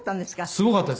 すごかったです。